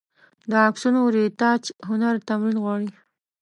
د عکسونو رېټاچ هنر تمرین غواړي.